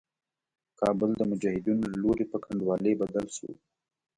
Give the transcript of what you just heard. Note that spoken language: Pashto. کابل د مجاهدينو له لوري په کنډوالي بدل شو.